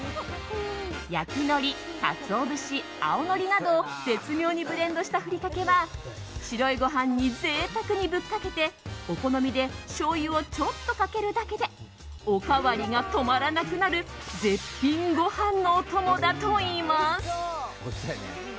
焼きのり、カツオ節青のりなどを絶妙にブレンドしたふりかけは白いご飯に贅沢にぶっかけてお好みでしょうゆをちょっとかけるだけでおかわりが止まらなくなる絶品ご飯のお供だといいます。